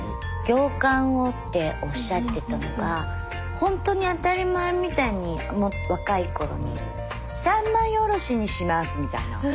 行間をっておっしゃってたのがほんとに当たり前みたいにもっと若いころに三枚おろしにしますみたいな。